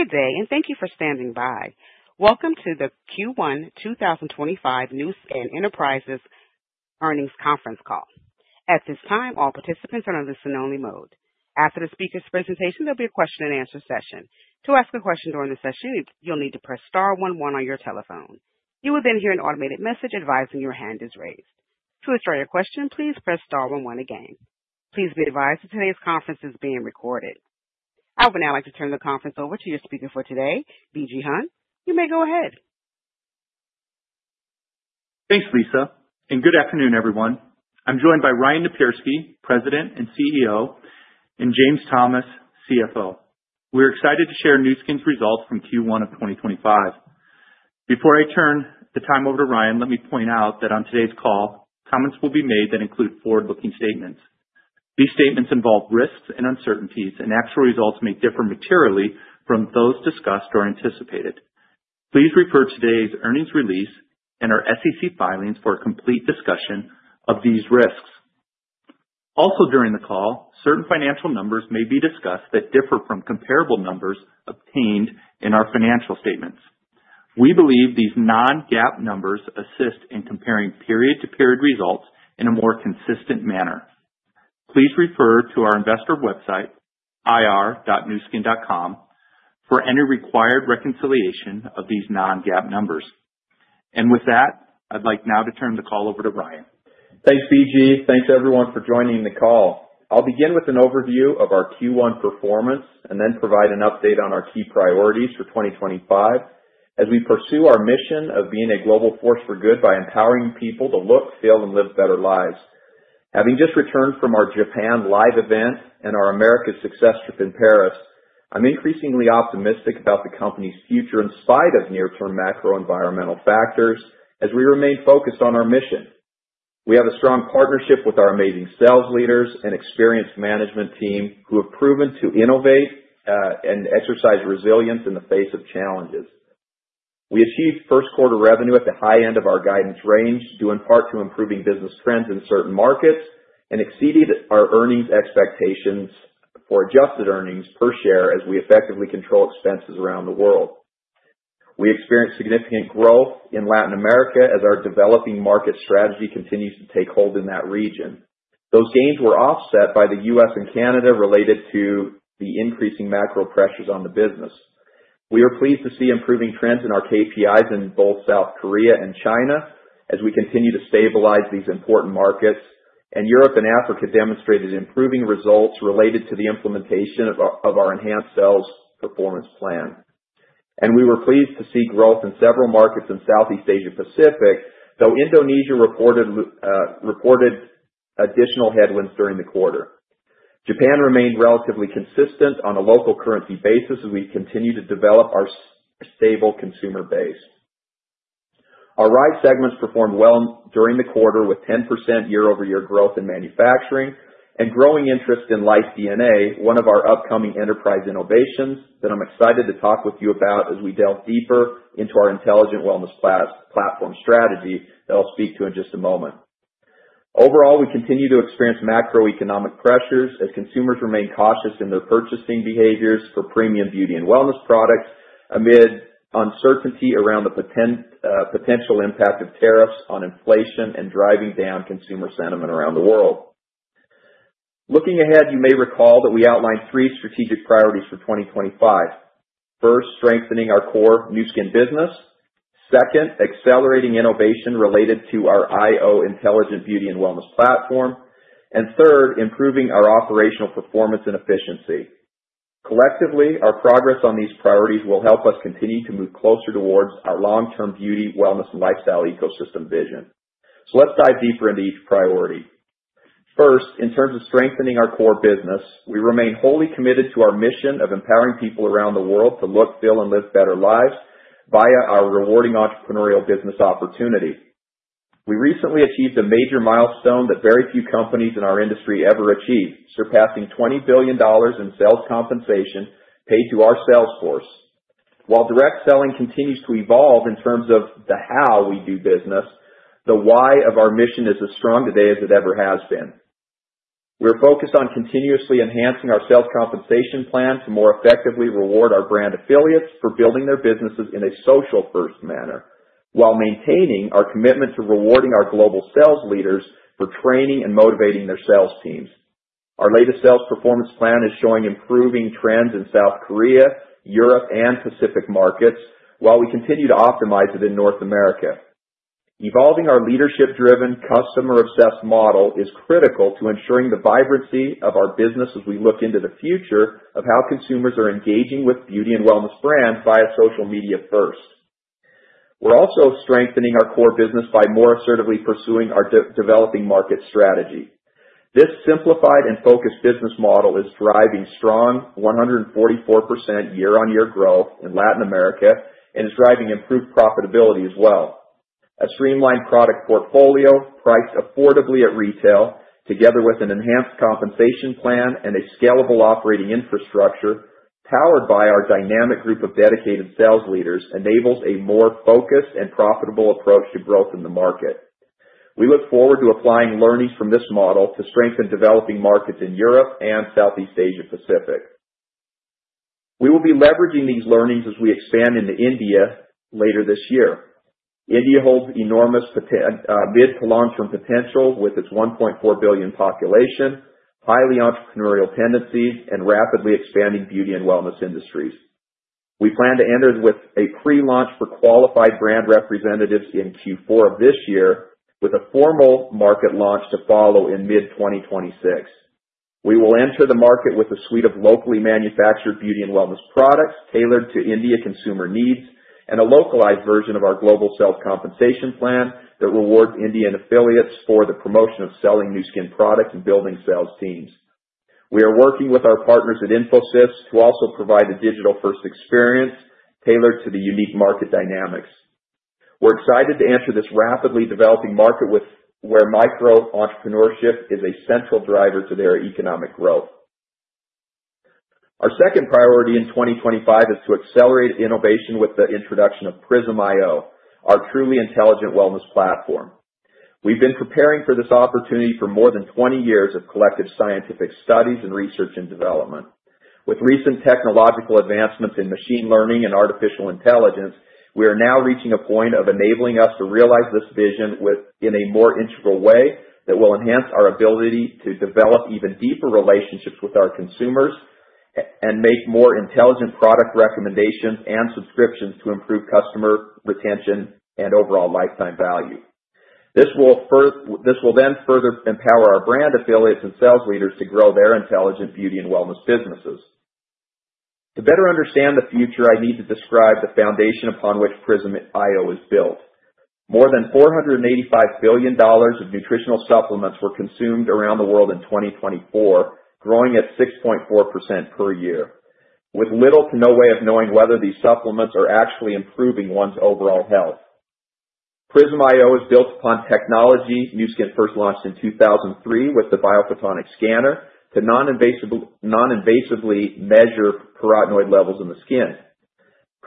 Good day, and thank you for standing by. Welcome to the Q1 2025 Nu Skin Enterprises Earnings Conference Call. At this time, all participants are in a listen-only mode. After the speaker's presentation, there'll be a question-and-answer session. To ask a question during the session, you'll need to press star 11 on your telephone. You will then hear an automated message advising your hand is raised. To withdraw your question, please press star 11 again. Please be advised that today's conference is being recorded. I would now like to turn the conference over to your speaker for today, B.G. Hunt. You may go ahead. Thanks, Lisa. Good afternoon, everyone. I'm joined by Ryan Napierski, President and CEO, and James Thomas, CFO. We're excited to share Nu Skin's results from Q1 of 2025. Before I turn the time over to Ryan, let me point out that on today's call, comments will be made that include forward-looking statements. These statements involve risks and uncertainties, and actual results may differ materially from those discussed or anticipated. Please refer to today's earnings release and our SEC filings for a complete discussion of these risks. Also, during the call, certain financial numbers may be discussed that differ from comparable numbers obtained in our financial statements. We believe these non-GAAP numbers assist in comparing period-to-period results in a more consistent manner. Please refer to our investor website, ir.nuskin.com, for any required reconciliation of these non-GAAP numbers. With that, I'd like now to turn the call over to Ryan. Thanks, B.G. Thanks, everyone, for joining the call. I'll begin with an overview of our Q1 performance and then provide an update on our key priorities for 2025 as we pursue our mission of being a global force for good by empowering people to look, feel, and live better lives. Having just returned from our Japan live event and our America's Success Trip in Paris, I'm increasingly optimistic about the company's future in spite of near-term macroenvironmental factors as we remain focused on our mission. We have a strong partnership with our amazing sales leaders and experienced management team who have proven to innovate and exercise resilience in the face of challenges. We achieved first-quarter revenue at the high end of our guidance range, due in part to improving business trends in certain markets and exceeded our earnings expectations for adjusted earnings per share as we effectively control expenses around the world. We experienced significant growth in Latin America as our developing market strategy continues to take hold in that region. Those gains were offset by the U.S. and Canada related to the increasing macro pressures on the business. We are pleased to see improving trends in our KPIs in both South Korea and China as we continue to stabilize these important markets, and Europe and Africa demonstrated improving results related to the implementation of our enhanced sales performance plan. We were pleased to see growth in several markets in Southeast Asia-Pacific, though Indonesia reported additional headwinds during the quarter. Japan remained relatively consistent on a local currency basis as we continue to develop our stable consumer base. Our Rise segments performed well during the quarter with 10% year-over-year growth in manufacturing and growing interest in LIFE DNA, one of our upcoming enterprise innovations that I'm excited to talk with you about as we delve deeper into our intelligent wellness platform strategy that I'll speak to in just a moment. Overall, we continue to experience macroeconomic pressures as consumers remain cautious in their purchasing behaviors for premium beauty and wellness products amid uncertainty around the potential impact of tariffs on inflation and driving down consumer sentiment around the world. Looking ahead, you may recall that we outlined three strategic priorities for 2025. First, strengthening our core Nu Skin business. Second, accelerating innovation related to our IO intelligent beauty and wellness platform. And third, improving our operational performance and efficiency. Collectively, our progress on these priorities will help us continue to move closer towards our long-term beauty, wellness, and lifestyle ecosystem vision. Let's dive deeper into each priority. First, in terms of strengthening our core business, we remain wholly committed to our mission of empowering people around the world to look, feel, and live better lives via our rewarding entrepreneurial business opportunity. We recently achieved a major milestone that very few companies in our industry ever achieve, surpassing $20 billion in sales compensation paid to our sales force. While direct selling continues to evolve in terms of how we do business, the why of our mission is as strong today as it ever has been. We're focused on continuously enhancing our sales compensation plan to more effectively reward our brand affiliates for building their businesses in a social-first manner while maintaining our commitment to rewarding our global sales leaders for training and motivating their sales teams. Our latest sales performance plan is showing improving trends in South Korea, Europe, and Pacific markets while we continue to optimize it in North America. Evolving our leadership-driven, customer-obsessed model is critical to ensuring the vibrancy of our business as we look into the future of how consumers are engaging with beauty and wellness brands via social media first. We're also strengthening our core business by more assertively pursuing our developing market strategy. This simplified and focused business model is driving strong 144% year-on-year growth in Latin America and is driving improved profitability as well. A streamlined product portfolio priced affordably at retail, together with an enhanced compensation plan and a scalable operating infrastructure powered by our dynamic group of dedicated sales leaders, enables a more focused and profitable approach to growth in the market. We look forward to applying learnings from this model to strengthen developing markets in Europe and Southeast Asia-Pacific. We will be leveraging these learnings as we expand into India later this year. India holds enormous mid to long-term potential with its 1.4 billion population, highly entrepreneurial tendencies, and rapidly expanding beauty and wellness industries. We plan to enter with a pre-launch for qualified brand representatives in Q4 of this year, with a formal market launch to follow in mid-2026. We will enter the market with a suite of locally manufactured beauty and wellness products tailored to India consumer needs and a localized version of our global sales compensation plan that rewards Indian affiliates for the promotion of selling Nu Skin products and building sales teams. We are working with our partners at Infosys to also provide a digital-first experience tailored to the unique market dynamics. We're excited to enter this rapidly developing market where micro-entrepreneurship is a central driver to their economic growth. Our second priority in 2025 is to accelerate innovation with the introduction of Prism IO, our truly intelligent wellness platform. We've been preparing for this opportunity for more than 20 years of collective scientific studies and research and development. With recent technological advancements in machine learning and artificial intelligence, we are now reaching a point of enabling us to realize this vision in a more integral way that will enhance our ability to develop even deeper relationships with our consumers and make more intelligent product recommendations and subscriptions to improve customer retention and overall lifetime value. This will then further empower our brand affiliates and sales leaders to grow their intelligent beauty and wellness businesses. To better understand the future, I need to describe the foundation upon which Prism IO is built. More than $485 billion of nutritional supplements were consumed around the world in 2024, growing at 6.4% per year, with little to no way of knowing whether these supplements are actually improving one's overall health. Prism IO is built upon technology. Nu Skin first launched in 2003 with the biophotonic scanner to non-invasively measure carotenoid levels in the skin.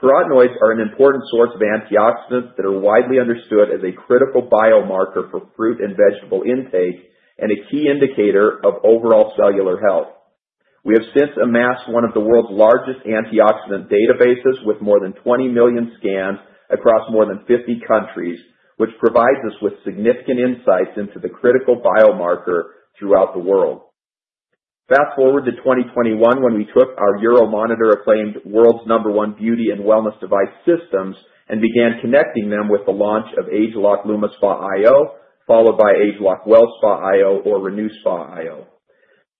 Carotenoids are an important source of antioxidants that are widely understood as a critical biomarker for fruit and vegetable intake and a key indicator of overall cellular health. We have since amassed one of the world's largest antioxidant databases with more than 20 million scans across more than 50 countries, which provides us with significant insights into the critical biomarker throughout the world. Fast forward to 2021, when we took our Euromonitor-acclaimed world's number one beauty and wellness device systems and began connecting them with the launch of AgeLock LumaSpot IO, followed by AgeLock WellSpot IO or RenewSpot IO.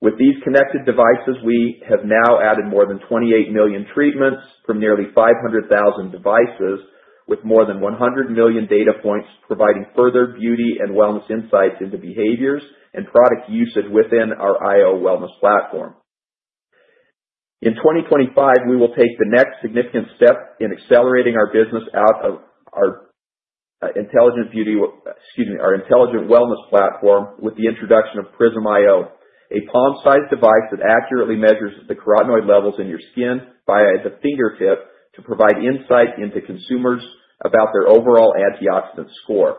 With these connected devices, we have now added more than 28 million treatments from nearly 500,000 devices, with more than 100 million data points providing further beauty and wellness insights into behaviors and product usage within our IO wellness platform. In 2025, we will take the next significant step in accelerating our business out of our intelligent beauty excuse me our intelligent wellness platform with the introduction of Prism IO, a palm-sized device that accurately measures the carotenoid levels in your skin via the fingertip to provide insight into consumers about their overall antioxidant score.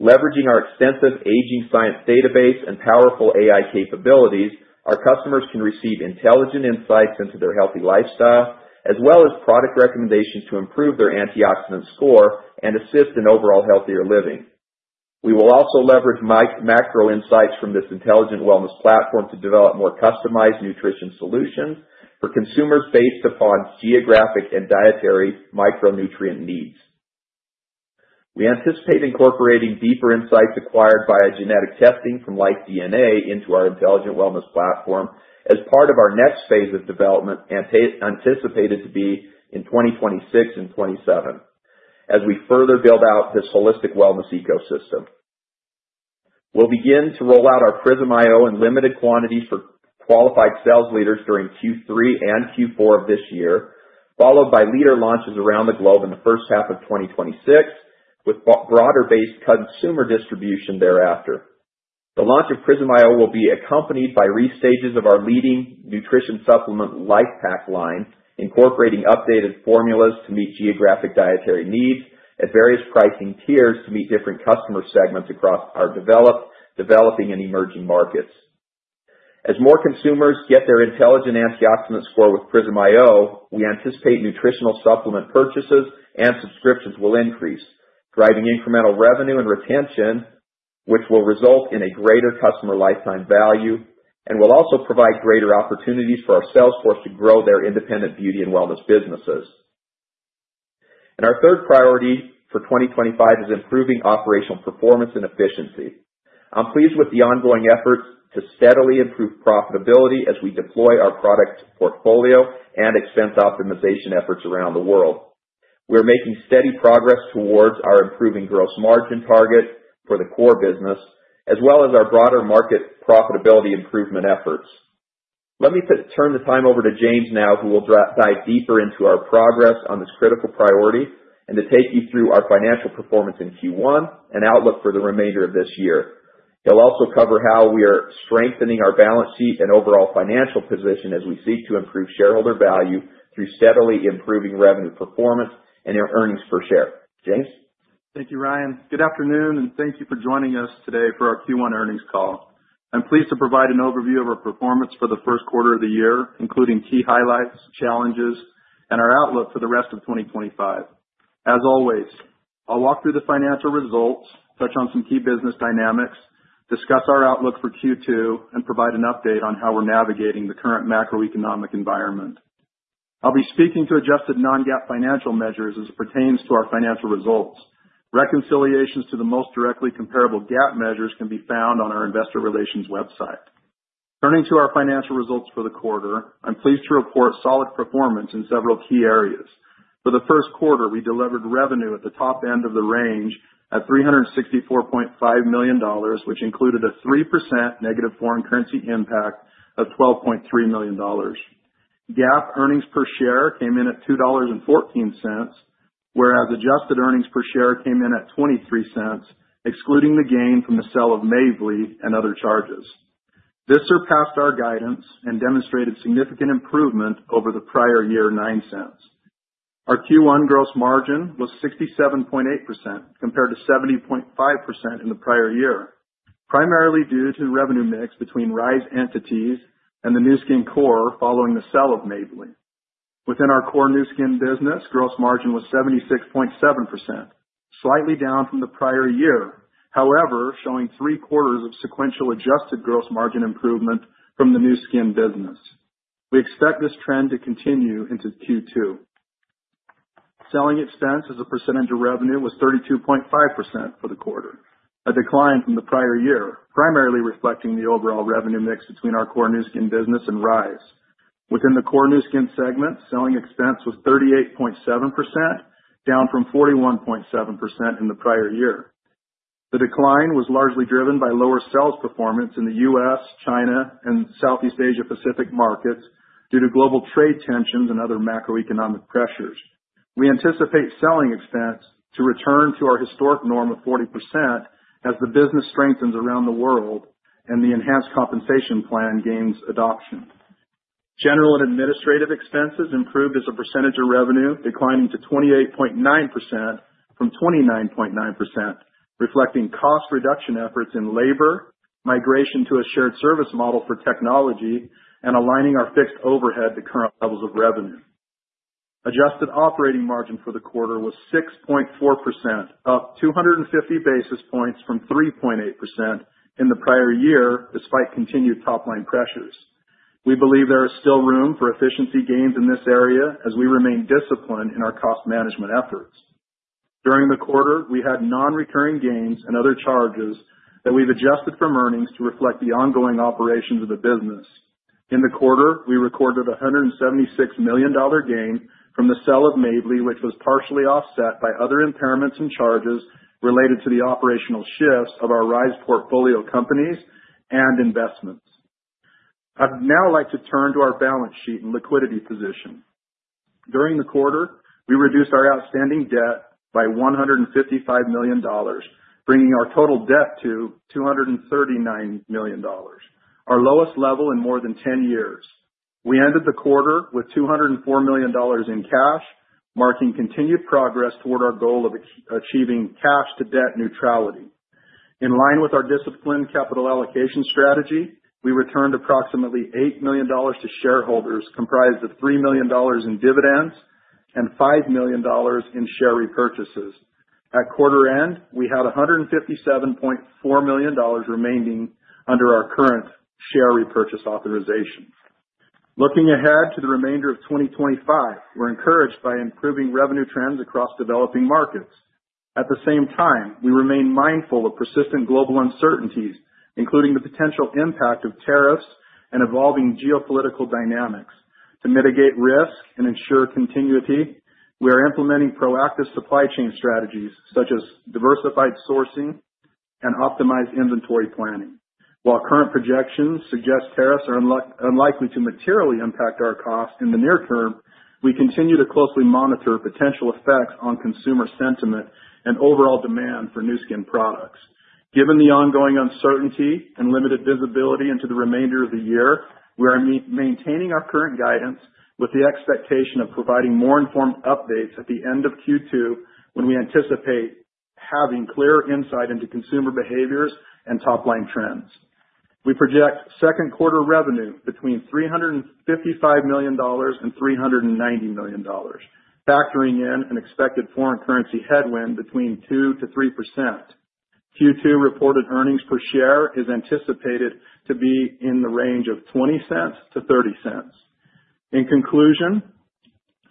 Leveraging our extensive aging science database and powerful AI capabilities, our customers can receive intelligent insights into their healthy lifestyle, as well as product recommendations to improve their antioxidant score and assist in overall healthier living. We will also leverage macro insights from this intelligent wellness platform to develop more customized nutrition solutions for consumers based upon geographic and dietary micronutrient needs. We anticipate incorporating deeper insights acquired via genetic testing from LIFE DNA into our intelligent wellness platform as part of our next phase of development anticipated to be in 2026 and 2027, as we further build out this holistic wellness ecosystem. We'll begin to roll out our Prism IO in limited quantities for qualified sales leaders during Q3 and Q4 of this year, followed by leader launches around the globe in the first half of 2026, with broader-based consumer distribution thereafter. The launch of Prism IO will be accompanied by restages of our leading nutrition supplement LIFE Pack line, incorporating updated formulas to meet geographic dietary needs at various pricing tiers to meet different customer segments across our developing and emerging markets. As more consumers get their intelligent antioxidant score with Prism IO, we anticipate nutritional supplement purchases and subscriptions will increase, driving incremental revenue and retention, which will result in a greater customer lifetime value and will also provide greater opportunities for our sales force to grow their independent beauty and wellness businesses. Our third priority for 2025 is improving operational performance and efficiency. I'm pleased with the ongoing efforts to steadily improve profitability as we deploy our product portfolio and expense optimization efforts around the world. We're making steady progress towards our improving gross margin target for the core business, as well as our broader market profitability improvement efforts. Let me turn the time over to James now, who will dive deeper into our progress on this critical priority and take you through our financial performance in Q1 and outlook for the remainder of this year. He'll also cover how we are strengthening our balance sheet and overall financial position as we seek to improve shareholder value through steadily improving revenue performance and earnings per share. James? Thank you, Ryan. Good afternoon, and thank you for joining us today for our Q1 earnings call. I'm pleased to provide an overview of our performance for the first quarter of the year, including key highlights, challenges, and our outlook for the rest of 2025. As always, I'll walk through the financial results, touch on some key business dynamics, discuss our outlook for Q2, and provide an update on how we're navigating the current macroeconomic environment. I'll be speaking to adjusted non-GAAP financial measures as it pertains to our financial results. Reconciliations to the most directly comparable GAAP measures can be found on our investor relations website. Turning to our financial results for the quarter, I'm pleased to report solid performance in several key areas. For the first quarter, we delivered revenue at the top end of the range at $364.5 million, which included a 3% negative foreign currency impact of $12.3 million. GAAP earnings per share came in at $2.14, whereas adjusted earnings per share came in at $0.23, excluding the gain from the sale of Mavely and other charges. This surpassed our guidance and demonstrated significant improvement over the prior year of $0.09. Our Q1 gross margin was 67.8% compared to 70.5% in the prior year, primarily due to the revenue mix between Rise Entities and the Nu Skin core following the sale of Mavely. Within our core Nu Skin business, gross margin was 76.7%, slightly down from the prior year, however, showing three quarters of sequential adjusted gross margin improvement from the Nu Skin business. We expect this trend to continue into Q2. Selling expense as a percentage of revenue was 32.5% for the quarter, a decline from the prior year, primarily reflecting the overall revenue mix between our core Nu Skin business and Rise. Within the core Nu Skin segment, selling expense was 38.7%, down from 41.7% in the prior year. The decline was largely driven by lower sales performance in the U.S., China, and Southeast Asia-Pacific markets due to global trade tensions and other macroeconomic pressures. We anticipate selling expense to return to our historic norm of 40% as the business strengthens around the world and the enhanced compensation plan gains adoption. General and administrative expenses improved as a percentage of revenue, declining to 28.9% from 29.9%, reflecting cost reduction efforts in labor, migration to a shared service model for technology, and aligning our fixed overhead to current levels of revenue. Adjusted operating margin for the quarter was 6.4%, up 250 basis points from 3.8% in the prior year, despite continued top-line pressures. We believe there is still room for efficiency gains in this area as we remain disciplined in our cost management efforts. During the quarter, we had non-recurring gains and other charges that we've adjusted from earnings to reflect the ongoing operations of the business. In the quarter, we recorded a $176 million gain from the sale of Mavely, which was partially offset by other impairments and charges related to the operational shifts of our Rise portfolio companies and investments. I'd now like to turn to our balance sheet and liquidity position. During the quarter, we reduced our outstanding debt by $155 million, bringing our total debt to $239 million, our lowest level in more than 10 years. We ended the quarter with $204 million in cash, marking continued progress toward our goal of achieving cash-to-debt neutrality. In line with our disciplined capital allocation strategy, we returned approximately $8 million to shareholders, comprised of $3 million in dividends and $5 million in share repurchases. At quarter end, we had $157.4 million remaining under our current share repurchase authorization. Looking ahead to the remainder of 2025, we're encouraged by improving revenue trends across developing markets. At the same time, we remain mindful of persistent global uncertainties, including the potential impact of tariffs and evolving geopolitical dynamics. To mitigate risk and ensure continuity, we are implementing proactive supply chain strategies such as diversified sourcing and optimized inventory planning. While current projections suggest tariffs are unlikely to materially impact our costs in the near term, we continue to closely monitor potential effects on consumer sentiment and overall demand for Nu Skin products. Given the ongoing uncertainty and limited visibility into the remainder of the year, we are maintaining our current guidance with the expectation of providing more informed updates at the end of Q2 when we anticipate having clear insight into consumer behaviors and top-line trends. We project second quarter revenue between $355 million-$390 million, factoring in an expected foreign currency headwind between 2%-3%. Q2 reported earnings per share is anticipated to be in the range of $0.20-$0.30. In conclusion,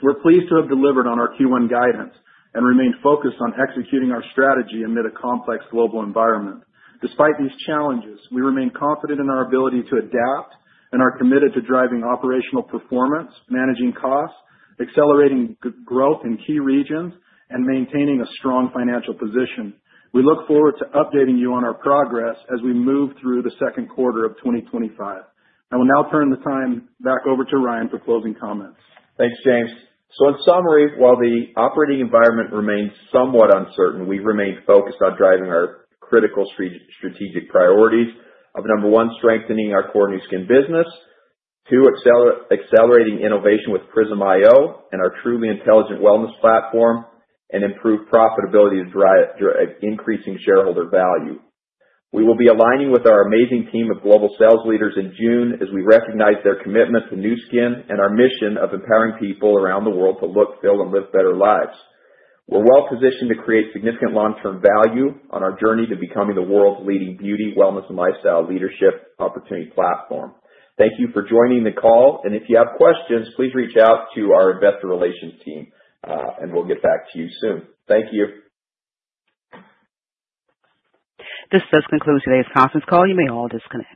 we're pleased to have delivered on our Q1 guidance and remain focused on executing our strategy amid a complex global environment. Despite these challenges, we remain confident in our ability to adapt and are committed to driving operational performance, managing costs, accelerating growth in key regions, and maintaining a strong financial position. We look forward to updating you on our progress as we move through the second quarter of 2025. I will now turn the time back over to Ryan for closing comments. Thanks, James. In summary, while the operating environment remains somewhat uncertain, we remain focused on driving our critical strategic priorities of, number one, strengthening our core Nu Skin business, two, accelerating innovation with Prism IO and our truly intelligent wellness platform, and improved profitability to drive increasing shareholder value. We will be aligning with our amazing team of global sales leaders in June as we recognize their commitment to Nu Skin and our mission of empowering people around the world to look, feel, and live better lives. We're well positioned to create significant long-term value on our journey to becoming the world's leading beauty, wellness, and lifestyle leadership opportunity platform. Thank you for joining the call. If you have questions, please reach out to our investor relations team, and we'll get back to you soon. Thank you. This does conclude today's conference call. You may all disconnect.